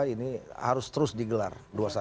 ini harus terus digelar